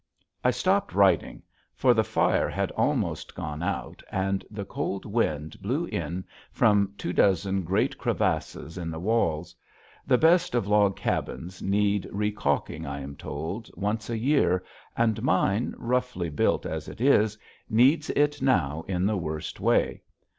I stopped writing, for the fire had almost gone out and the cold wind blew in from two dozen great crevasses in the walls. The best of log cabins need recalking, I am told, once a year, and mine, roughly built as it is, needs it now in the worst way.